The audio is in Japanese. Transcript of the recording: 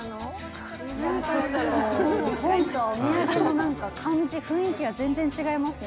ちょっと、日本とはお土産の感じ雰囲気が全然違いますね。